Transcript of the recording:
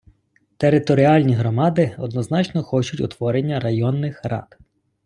Територіальні громади однозначно хочуть утворення районних рад.